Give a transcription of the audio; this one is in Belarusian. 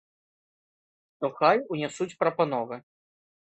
То хай унясуць прапановы!